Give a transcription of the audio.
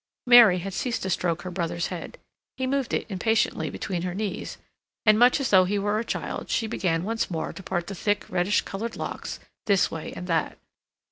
Mary had ceased to stroke her brother's head; he moved it impatiently between her knees, and, much as though he were a child, she began once more to part the thick, reddish colored locks this way and that.